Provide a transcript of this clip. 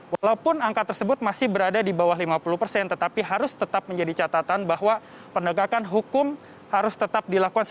walaupun angka tersebut masih berada di bawah lima puluh persen tetapi harus tetap menjadi catatan bahwa penegakan hukum harus tetap dilakukan